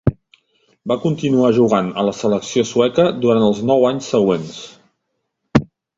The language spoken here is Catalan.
Va continuar jugant a la selecció sueca durant els nou anys següents.